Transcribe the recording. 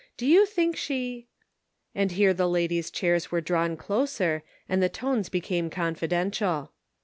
Do you think she —" and here the ladies' chairs were drawn closer, and the tones became confidential.